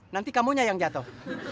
nanti kamu nya yang jatuh